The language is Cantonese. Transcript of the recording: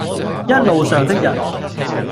一路上的人，